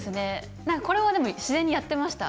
これは自然とやっていました。